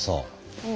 うん。